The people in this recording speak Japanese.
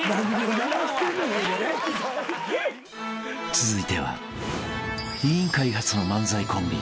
［続いては『委員会』発の漫才コンビ